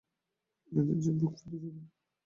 এদের যে বুক ফেটে যাবে।